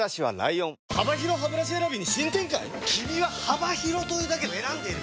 君は幅広というだけで選んでいる！